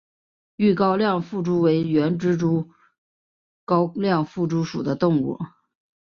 豫高亮腹蛛为园蛛科高亮腹蛛属的动物。